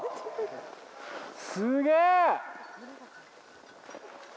すげえ！